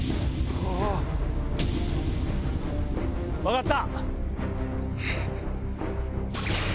分かった。